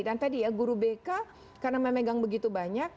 tadi ya guru bk karena memegang begitu banyak